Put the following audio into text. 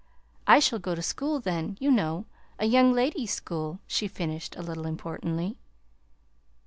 I shall go to school then, you know, a young ladies' school," she finished, a little importantly.